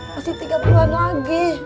masih tiga bulan lagi